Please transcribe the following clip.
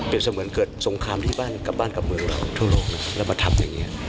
เปลี่ยมเสมือนเกิดสงคามที่บ้านกับเมืองทั่วโลกแล้วมาทำอย่างนี้